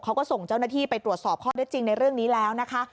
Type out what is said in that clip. เขาก็ส่งเจ้าหน้าที่ไปตรวจสอบข้อได้จริงในเรื่องนี้แล้วนะคะ